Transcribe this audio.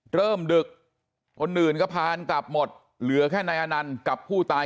เริ่มดึกคนอื่นก็ผ่านกลับหมดเหลือแค่นายอันนันกับผู้ตาย